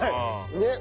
ねっ。